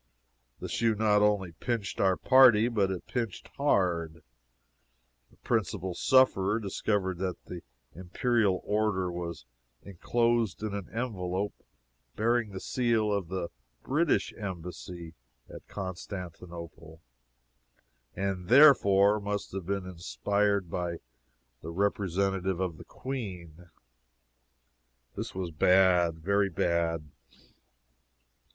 The shoe not only pinched our party, but it pinched hard; a principal sufferer discovered that the imperial order was inclosed in an envelop bearing the seal of the British Embassy at Constantinople, and therefore must have been inspired by the representative of the Queen. This was bad very bad.